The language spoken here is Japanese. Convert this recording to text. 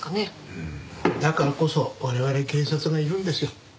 だからこそ我々警察がいるんですよ。